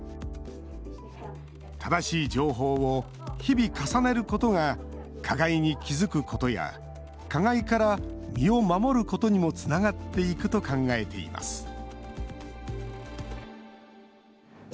正しい情報を日々重ねることが加害に気付くことや加害から身を守ることにもつながっていくと考えています